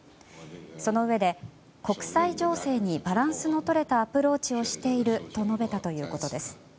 そのうえで、国際情勢にバランスの取れたアプローチをしていると述べたということです。